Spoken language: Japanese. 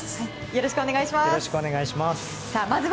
よろしくお願いします。